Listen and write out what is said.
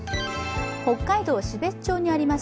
北海道標津町にあります